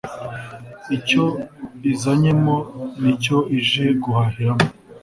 icyo izanyemo n’icyo ije guhahiramo